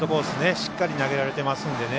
しっかり投げられてますのでね。